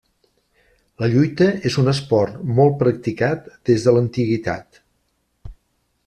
La lluita és un esport molt practicat des de l'antiguitat.